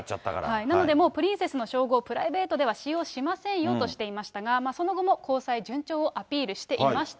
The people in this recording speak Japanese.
なので、もうプリンセスの称号、プライバシーでは使用しませんよとしていましたが、その後も交際順調をアピールしていました。